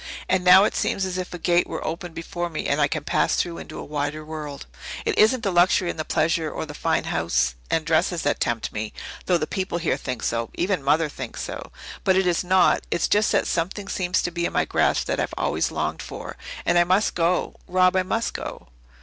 And now it seems as if a gate were opened before me and I can pass through into a wider world. It isn't the luxury and the pleasure or the fine house and dresses that tempt me, though the people here think so even Mother thinks so. But it is not. It's just that something seems to be in my grasp that I've always longed for, and I must go Rob, I must go."